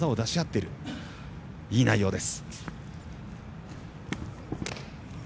いい内容です。